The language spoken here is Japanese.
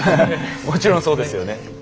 もちろんそうですよね。